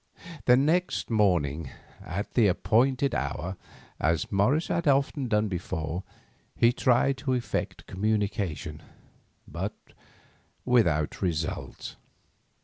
The next morning, at the appointed hour, as Morris had often done before, he tried to effect communication, but without result.